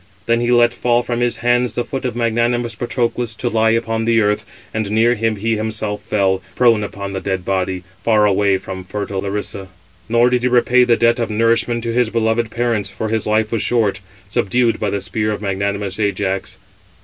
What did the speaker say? Then he let fall from his hands the foot of magnanimous Patroclus, to lie upon the earth, and near him he himself fell, prone upon the dead body, far away from fertile Larissa: nor did he repay the debt of nourishment to his beloved parents, for his life was short, subdued by the spear of magnanimous Ajax.